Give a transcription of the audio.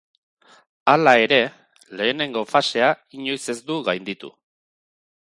Hala ere, lehenengo fasea inoiz ez du gainditu.